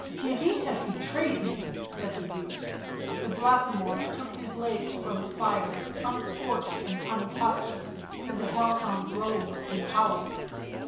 ..."" Theirry has betrayed me," said the youth* The Blackamoor took his legs from the fire unscorched and untouched, and the hell hound rose and howled.